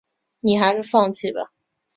你还是放弃吧